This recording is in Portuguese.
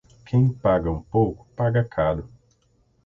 Quem paga um pouco, paga caro.